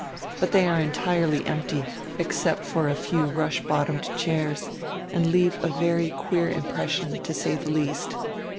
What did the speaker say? But they are entirely empty, except for a few rush bottomed chairs, and leave a very queer impression, to say the least.